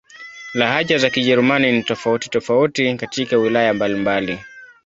Lahaja za Kijerumani ni tofauti-tofauti katika wilaya mbalimbali.